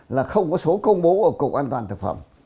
là không có số công bố ở cục an toàn thực phẩm